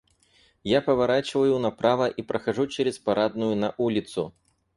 Я поворачиваю направо и прохожу через парадную на улицу.